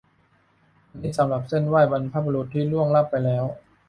อันนี้สำหรับเซ่นไหว้บรรพบุรุษที่ล่วงลับไปแล้ว